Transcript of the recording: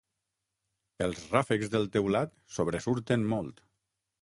Els ràfecs del teulat sobresurten molt.